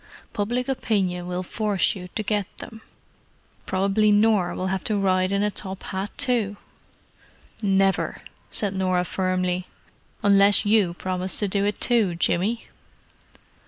Public opinion will force you to get them. Probably Nor will have to ride in a top hat, too." "Never!" said Norah firmly. "Unless you promise to do it too, Jimmy."